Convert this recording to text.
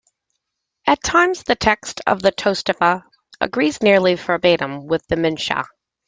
At times the text of the Tosefta agrees nearly verbatim with the Mishnah.